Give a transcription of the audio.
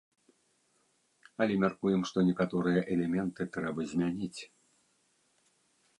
Але мяркуем, што некаторыя элементы трэба змяніць.